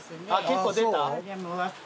結構出た？